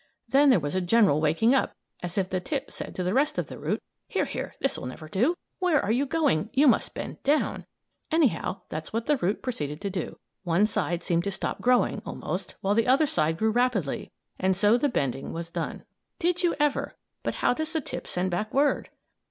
Then there was a general waking up, as if the tip said to the rest of the root: "Here, here, this will never do! Where are you going? You must bend down!" Anyhow that's what the root proceeded to do. One side seemed to stop growing, almost, while the other side grew rapidly and so the bending was done. "Did you ever! But how does the tip send back word?"